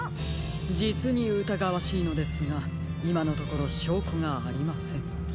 じつにうたがわしいのですがいまのところしょうこがありません。